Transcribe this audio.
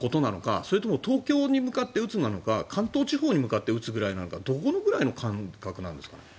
それとも東京に向かって撃つなのか関東地方に向かって撃つぐらいなのかどこのくらいの感覚なんですか？